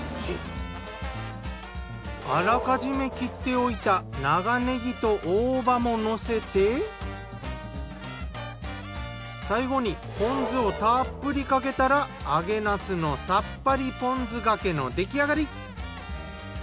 あらかじめ切っておいた長ねぎと大葉ものせて最後にポン酢をたっぷりかけたら揚げなすのさっぱりポン酢がけの出来上がり。